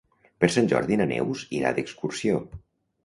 Per Sant Jordi na Neus irà d'excursió.